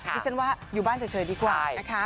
ดิฉันว่าอยู่บ้านเฉยดีกว่านะคะ